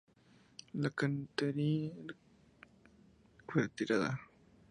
La catenaria fue retirada.